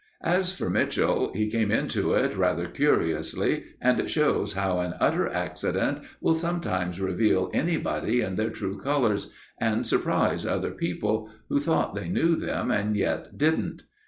As for Mitchell, he came into it rather curiously, and it shows how an utter accident will sometimes reveal anybody in their true colours, and surprise other people, who thought they knew them and yet didn't.